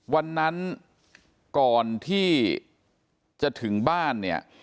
วันนั้นก่อนที่จะถึงบ้าน